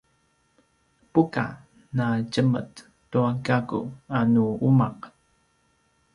buka: na djemet tua gakku a nu umaq?